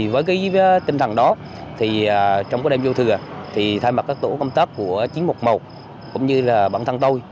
với cái tinh thẳng đó trong các đêm vô thừa thay mặt các tổ công tác của chín trăm một mươi một cũng như là bản thân tôi